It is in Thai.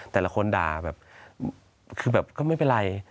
แต่ละคนด่าแบบคือแบบก็ไม่เป็นไร